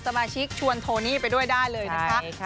สมาชิกชวนโทนี่ไปด้วยได้เลยนะคะ